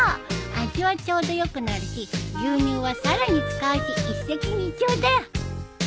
味はちょうどよくなるし牛乳はさらに使うし一石二鳥だよ。